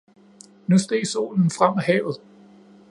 Nu steg solen frem af havet.